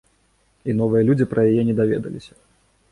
І новыя людзі пра яе не даведаліся.